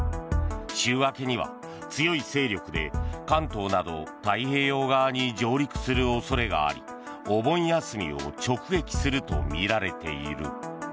週明けには強い勢力で関東など太平洋側に上陸する恐れがありお盆休みを直撃するとみられている。